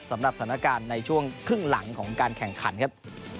สำหรับสถานการณ์ในช่วงครึ่งหลังของการแข่งขันครับ